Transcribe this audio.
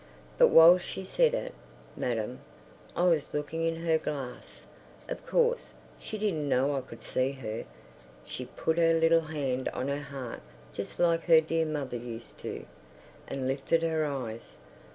But while she said it, madam—I was looking in her glass; of course, she didn't know I could see her—she put her little hand on her heart just like her dear mother used to, and lifted her eyes...